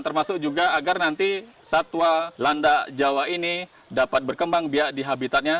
termasuk juga agar nanti satwa landak jawa ini dapat berkembang biak di habitatnya